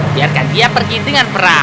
biarkan dia pergi dengan perang